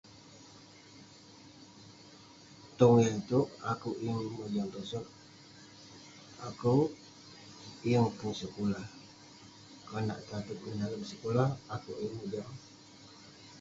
[unintelligible] akouk yeng mojam tosog. Akouk yeng pun sekulah, konak tateg neh dalem sekulah akouk yeng mojam.